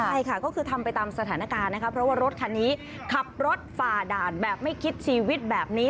ใช่ค่ะก็คือทำไปตามสถานการณ์นะคะเพราะว่ารถคันนี้ขับรถฝ่าด่านแบบไม่คิดชีวิตแบบนี้